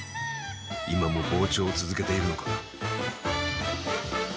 今も膨張を続けているのか。